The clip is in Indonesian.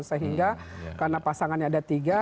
sehingga karena pasangannya ada tiga